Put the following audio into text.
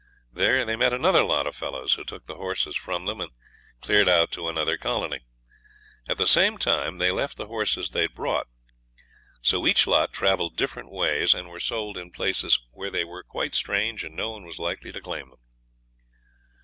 There they met another lot of fellows, who took the horses from them and cleared out to another colony; at the same time they left the horses they had brought. So each lot travelled different ways, and were sold in places where they were quite strange and no one was likely to claim them.